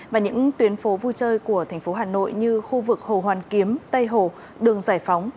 và những tuyến phố vui chơi của thành phố hà nội như khu vực hồ hoàn kiếm tây hồ đường giải phóng